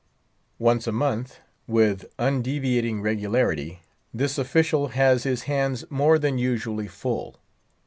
Once a month, with undeviating regularity, this official has his hands more than usually full.